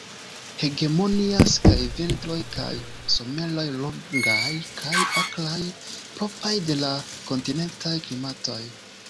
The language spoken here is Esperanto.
Hegemonias kaj vintroj kaj someroj longaj kaj akraj, propraj de la kontinentaj klimatoj.